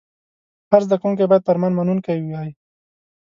هر زده کوونکی باید فرمان منونکی وای.